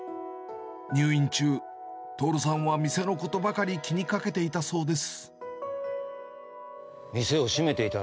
入院中、とおるさんは店のことばかり気にかけていたそうです。